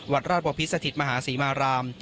วัดราชบพิษสถิตมหาศรีมาราม